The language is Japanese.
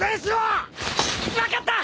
分かった！